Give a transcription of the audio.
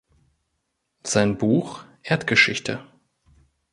Sein Buch "Erdgeschichte.